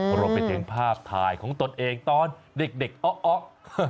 เพราะเป็นอย่างภาพทายของตัวเองตอนเด็กอ๊อก